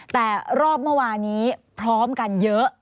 แต่รอบเมื่อวานี้พร้อมกันเยอะ